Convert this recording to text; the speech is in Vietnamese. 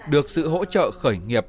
được sự hỗ trợ khởi nghiệp